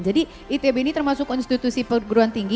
jadi itb ini termasuk konstitusi perguruan tinggi